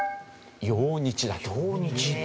「用日」だと。